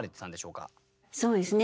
そうですね